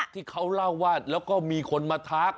ที่เขาเล่าว่าแล้วก็มีคนมาทัก